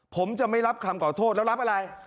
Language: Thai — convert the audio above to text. ผมจะไม่รับคำขอโทษแล้วรับอะไร